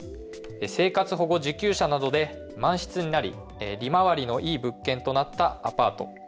生活保護受給者などで満室になり利回りのいい物件となったアパート。